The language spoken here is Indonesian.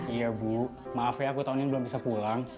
iya bu maaf ya aku tahun ini belum bisa pulang